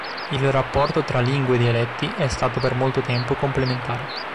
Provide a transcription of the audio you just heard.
Il rapporto tra lingua e dialetti è stato per molto tempo complementare.